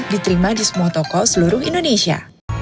diterima di semua toko seluruh indonesia